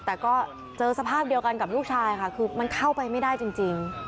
แต่ก็เจอสภาพเดียวกันกับลูกชายค่ะคือมันเข้าไปไม่ได้จริง